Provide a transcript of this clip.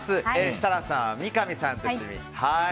設楽さん、三上さんと一緒に。